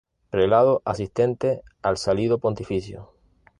Prelado asistente al Salido Pontificio.